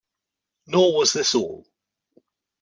Nor was this all.